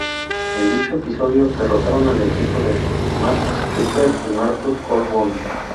En dicho episodio, derrotaron al equipo de Matt Striker y Marcus Cor Von.